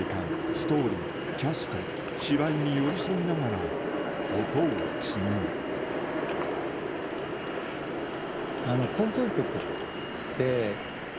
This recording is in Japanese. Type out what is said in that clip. ストーリーキャスト芝居に寄り添いながら音を紡ぐ交響曲って。